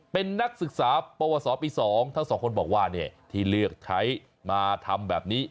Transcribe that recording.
เป็นนักศึกษาปวสปี๒ทั้งสองคนบอกว่าที่เลือกใช้มาทำแบบนี้